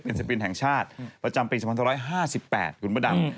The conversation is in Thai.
ศิปินแห่งชาติประจำปี๒๕๕๘คุณพระดำ